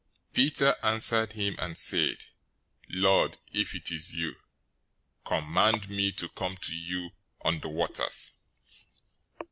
014:028 Peter answered him and said, "Lord, if it is you, command me to come to you on the waters."